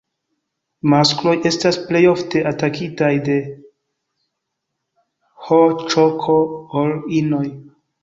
Maskloj estas plej ofte atakitaj de HĈK ol inoj.